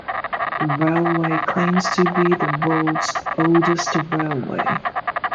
The railway claims to be "the world's oldest railway".